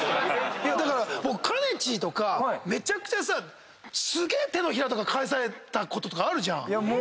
だからかねちーとかめちゃくちゃさすげえ手のひらとか返されたこととかあるじゃん。